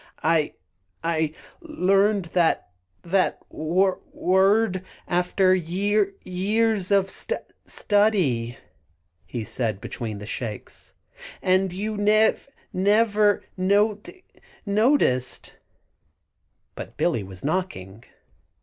"I I learned that that wor word after year years of stud study," he said between the shakes, "and you nev never notic noticed " But Billy was knocking.